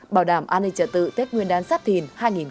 bảo đảm an ninh trả tự tết nguyên đán sát thìn hai nghìn hai mươi bốn